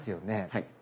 はい。